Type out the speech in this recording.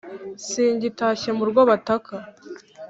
Singitashye mu rwo bataka